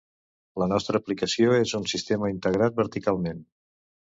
La nostra aplicació és un sistema integrat verticalment.